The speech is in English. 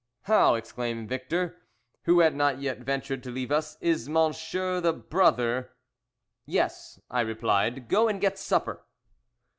"How," exclaimed Victor, who had not yet ventured to leave us. "Is monsieur the brother " "Yes," I replied, "go and get supper."